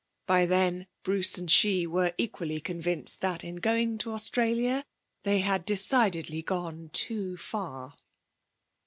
By then Bruce and she were equally convinced that in going to Australia they had decidedly gone too far.